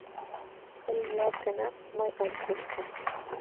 Тый йӱат гынат, мый ом кошко